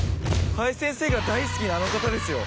林先生が大好きなあの方ですよ。